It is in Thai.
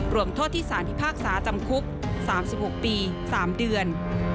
รวมโทษที่สารพิพากษาจำคุก๓๖ปี๓เดือน